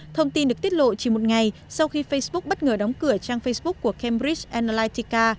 thông tin được tiết lộ chỉ một ngày sau khi facebook bất ngờ đóng cửa trang facebook của cambridge analyttica